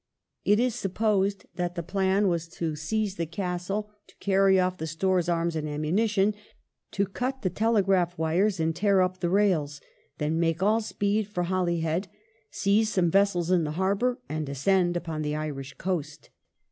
It is supposed that the plan was to seize the Castle, to carry off the stores, arms, and ammunition ; to cut the telegraph wires and tear up the rails ; then make all speed for Holyhead, seize some vessels in the harbour, and descend upon the Irish coast.